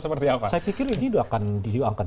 seperti apa saya pikir ini akan diuangkan